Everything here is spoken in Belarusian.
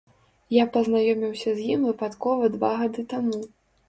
Я пазнаёміўся з ім выпадкова два гады таму.